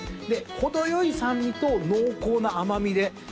で程よい酸味と濃厚な甘味で。